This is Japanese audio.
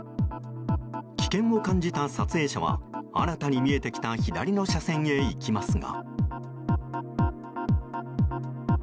危険を感じた撮影者は新たに見えてきた左の車線へ行きますが。